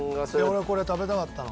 俺これ食べたかったの。